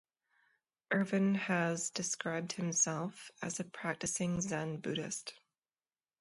Ervin has described himself as a "practicing Zen Buddhist".